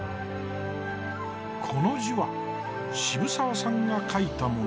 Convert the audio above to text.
この字は渋沢さんが書いたもの。